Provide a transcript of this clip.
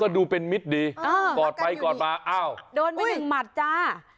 ดูเป็นมิตรดีกอดไปกอดมาอ้าวโดนไปหนึ่งหมัดจ้า